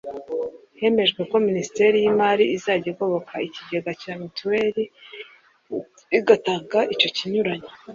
hemejwe ko Minisiteri y’imari izajya igoboka ikigega cya mituweli igatanga icyo kinyuranyo